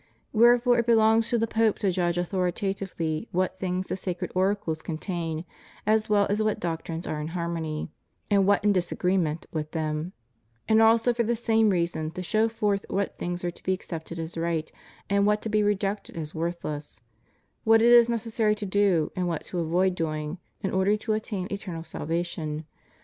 Wherefore it belongs to the Pope to judge authoritatively what things the sacred oracles con tain, as well as what doctrines are in harmony, and what in disagreement, with them; and also for the same reason, to show forth what things are to be accepted as right, and what to be rejected as worthless; what it is necessary to do and what to avoid doing, in order to attain eternal salva tion.